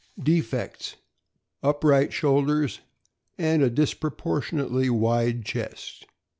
Defects: Upright shoulders and a disproportionately wide chest.